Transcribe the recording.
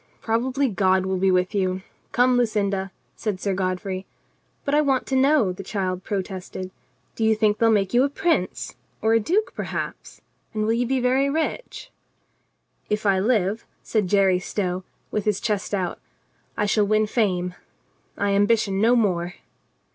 Probably God will be with you. Come, Lucinda," said Sir Godfrey. "But I want to know," the child protested. "Do you think they will make you a prince? Or a duke, perhaps ? And will you be very rich ?" "If I live," said Jerry Stow, with his chest out, "I shall win fame. I ambition no more."